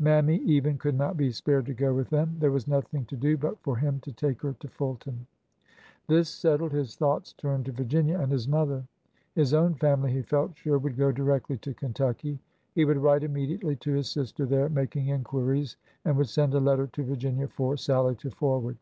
Mammy, even, could not be spared to go with them. There was nothing to do but for him to take her to Fulton. This settled, his thoughts turned to Virginia and his mother. His own family, he felt sure, would go directly to Kentucky. He would write immediately to his sister there, making inquiries, and would send a letter to Vir ginia for Sallie to forward.